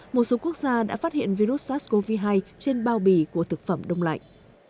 một số quốc gia đã phát hiện virus sars cov hai trên bao bì của thực phẩm đông lạnh